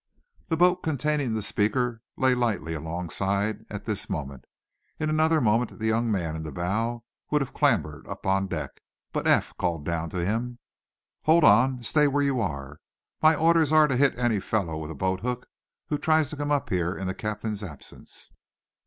The boat containing the speaker lay lightly alongside at this moment. In another moment the young man in the bow would have clambered up on deck, but Eph called down to him: "Hold on! Stay where you are. My orders are to hit any fellow with a boathook who tries to come up here in the captain's absence."